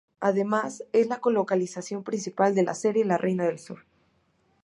Además es la localización principal de la serie "La reina del sur".